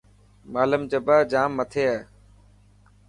نمالم جبا جام مٿي هي.